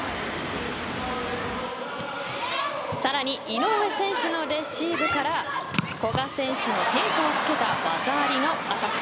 さらに、井上選手のレシーブから古賀選手の変化をつけた見事な技ありのアタック。